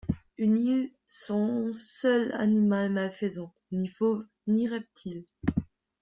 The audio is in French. Une île sans un seul animal malfaisant, ni fauves, ni reptiles!...